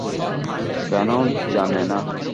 কেন জানে না?